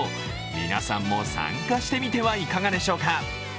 皆さんも参加してみてはいかがでしょうか？